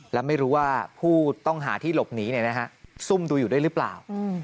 แล้วไม่รู้ว่าผู้ต้องหาที่หลบหนีซุ่มดูอยู่ด้วยหรือเปล่า